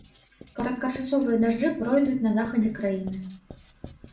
Кароткачасовыя дажджы пройдуць на захадзе краіны.